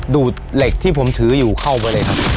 ดูดเหล็กที่ผมถืออยู่เข้าไปเลยครับ